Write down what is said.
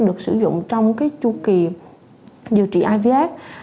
được sử dụng trong chu kỳ điều trị ivf